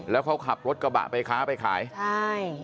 แล้วเขาขับรถกระบะไปค้าไปขายใช่